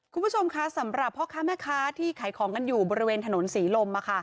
คุณผู้ชมคะสำหรับพ่อค้าแม่ค้าที่ขายของกันอยู่บริเวณถนนศรีลม